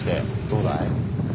どうだい？